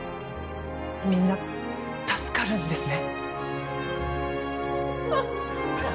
みんな助かるんですね